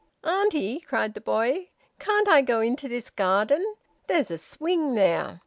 "Auntie!" cried the boy. "Can't I go into this garden? There's a swing there."